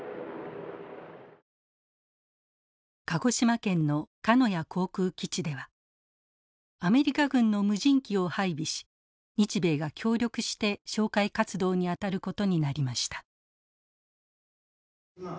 鹿児島県の鹿屋航空基地ではアメリカ軍の無人機を配備し日米が協力して哨戒活動に当たることになりました。